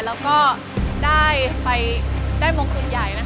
แล้วก็ได้มงกุลใหญ่